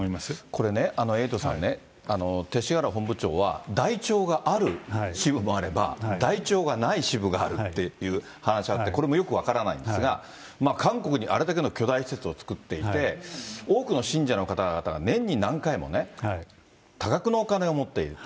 これね、エイトさんね、勅使河原本部長は、台帳がある支部もあれば、台帳がない支部があるっていう話あって、これもよく分からないんですが、韓国にあれだけの巨大施設をつくっていて、多くの信者の方々が年に何回もね、多額のお金を持っていく。